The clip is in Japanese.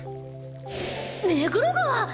目黒川！？